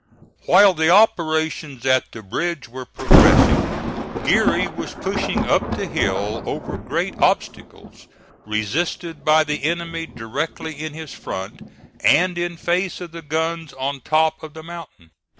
While the operations at the bridge were progressing, Geary was pushing up the hill over great obstacles, resisted by the enemy directly in his front, and in face of the guns on top of the mountain.